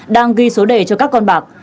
đang ghi số đề cho các con bạc